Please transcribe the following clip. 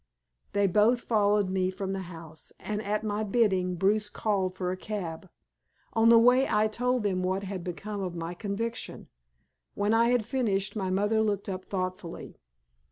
They both followed me from the house, and at my bidding Bruce called for a cab. On the way I told them what had become my conviction. When I had finished my mother looked up thoughtfully.